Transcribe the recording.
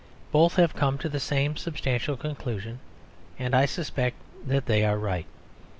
Both have come to the same substantial conclusion; and I suspect that they are right.